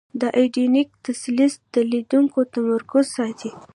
د ایډیټینګ تسلسل د لیدونکي تمرکز ساتي.